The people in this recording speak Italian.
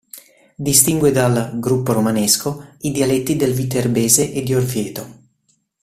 Distingue dal "gruppo romanesco" i dialetti del viterbese e di Orvieto.